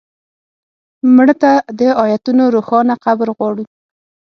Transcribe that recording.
مړه ته د آیتونو روښانه قبر غواړو